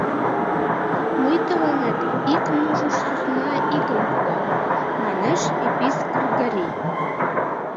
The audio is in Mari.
Мый тыланет ик мужыр сӧсна игым пуэм», — манеш Епись Кргори.